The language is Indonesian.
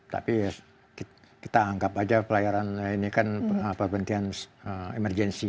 tapi ya kita anggap aja pelayaran ini kan perbentian emergensi